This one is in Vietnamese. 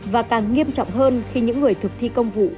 và càng nghiêm trọng hơn khi những người thực thi công vụ